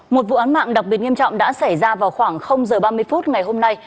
một vụ án mạng đặc biệt nghiêm trọng đã xảy ra vào khoảng h ba mươi phút ngày hôm nay